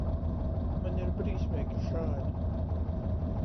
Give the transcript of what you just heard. Man ir brīsmeigi žāļ.